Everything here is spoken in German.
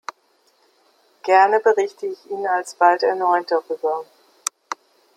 Gerne berichte ich Ihnen alsbald erneut darüber.